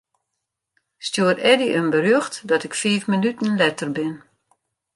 Stjoer Eddy in berjocht dat ik fiif minuten letter bin.